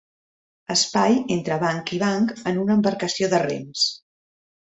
Espai entre banc i banc en una embarcació de rems.